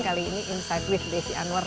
kali ini insight with desi anwar